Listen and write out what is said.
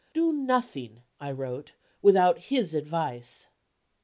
"Do nothing," I wrote, "without his advice."